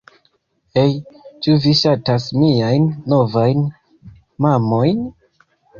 Hej, ĉu vi ŝatas miajn novajn mamojn?